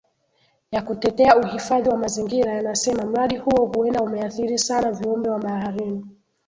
ya kutetea uhifadhi wa mazingira yanasema mradi huo huenda umeathiri sana viumbe wa baharini